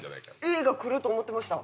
Ａがくると思ってました。